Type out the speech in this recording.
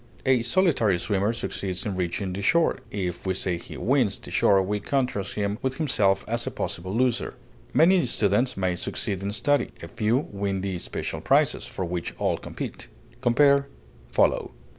A solitary swimmer succeeds in reaching the shore; if we say he wins the shore we contrast him with himself as a possible loser. Many students may succeed in study; a few win the special prizes, for which all compete. Compare FOLLOW.